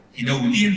thì đầu tiên